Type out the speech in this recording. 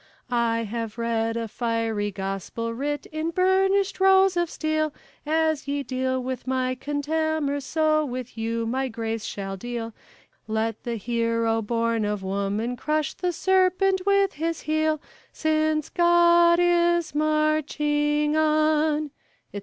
I have read a fiery gospel writ in burnished rows of steel: As ye deal with my contemners, so with you my grace shall deal; Let the Hero, born of woman, crush the serpent with his heel, Since God is marching on, etc.